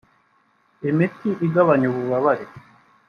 imiti igabanya ububabare